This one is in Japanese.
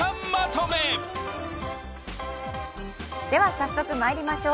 早速まいりましょう。